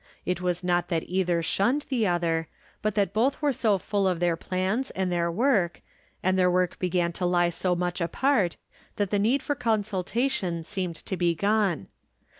It was not that either shunned the other, but that both were so fuU of their plans and their work ; and their work began to lie so much apart, that the need for consultation seemed to be gone.